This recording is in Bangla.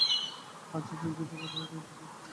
আচ্ছা, চুক্তিটা করার আগেই যদি এসব বলতে!